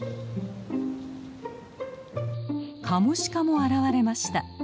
カモシカも現れました。